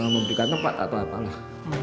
memberikan tempat atau apalah